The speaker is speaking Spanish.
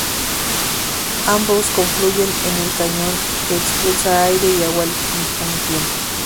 Ambos confluyen en el cañón, que expulsa aire y agua a un tiempo.